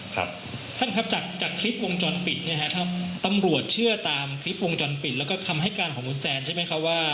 ท่านครับจากจากคลิปวงจรปิดเนี่ยฮะท่านตำรวจเชื่อตามคลิปวงจรปิดแล้วก็คำให้การของคุณแซนใช่ไหมครับว่า